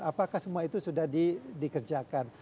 apakah semua itu sudah dikerjakan